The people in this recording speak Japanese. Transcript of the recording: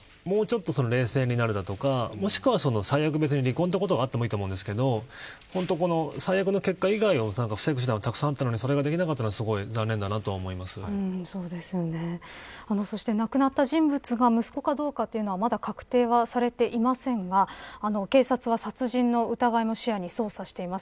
もうちょっと冷静になるだとかもしくは最悪、離婚ということがあってもいいと思うんですけど最悪の結果以外を防ぐ手段はたくさんあったのにそれができなかったのがそして、亡くなった人物が息子かどうかというのはまだ確定はされていませんが警察は殺人の疑いも視野に捜査しています。